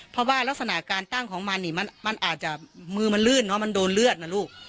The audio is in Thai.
เพราะว่ารักษณะการตั้งของมันนี่มันอาจจะมือมันลื่นเนอะมันโดนเลือดนะลูก